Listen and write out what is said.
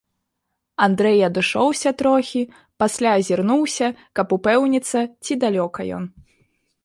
Андрэй адышоўся трохі, пасля азірнуўся, каб упэўніцца, ці далёка ён.